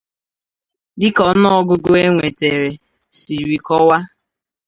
Dịka ọnụọgụgụ e nwetere siri kọwaa